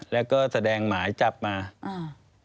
แล้วเขาสร้างเองว่าห้ามเข้าใกล้ลูก